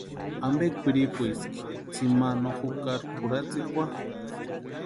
¿Ampe kwʼiripuski tsʼïma no jukari kʼuratsikwa?